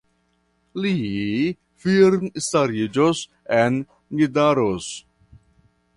Li firmstariĝos en Nidaros.